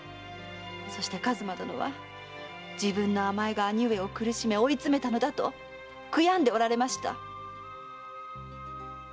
そして数馬殿は自分の甘えが兄上を苦しめ追いつめたのだと悔やんでおられました！